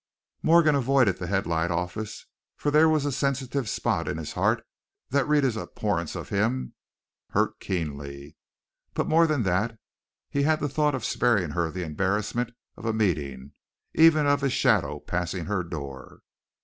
Morgan avoided the Headlight office, for there was a sensitive spot in his heart that Rhetta's abhorrence of him hurt keenly. But more than that he had the thought of sparing her the embarrassment of a meeting, even of his shadow passing her door.